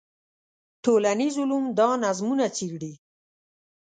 ټولنیز علوم دا نظمونه څېړي.